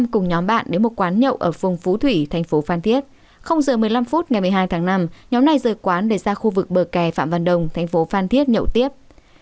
khoảng giờ một mươi năm phút ngày một mươi hai tháng năm nhóm này rời quán ra khu vực bờ kẻ phạm văn đồng thành phố phan thiết nhậu tiếp